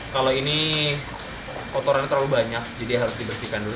kalau ini kotorannya terlalu banyak jadi harus dibersihkan dulu